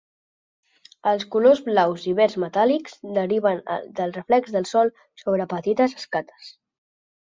Els colors blaus i verds metàl·lics deriven del reflex del sol sobre petites escates.